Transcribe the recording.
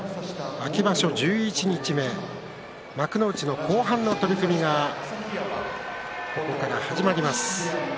秋場所十一日目幕内の後半の取組がここから始まります。